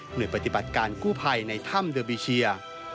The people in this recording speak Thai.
โดยปฏิบัติการกู้ภัยในถ้ำเดอร์บีเชีย